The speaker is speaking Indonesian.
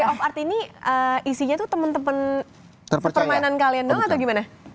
oke off art ini isinya tuh temen temen permainan kalian doang atau gimana